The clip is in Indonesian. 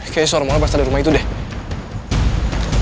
kayaknya suara mona pas ada di rumah itu deh